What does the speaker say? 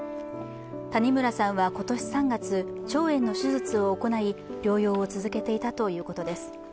谷村さんは今年３月、腸炎の手術を行い療養を続けていたということです。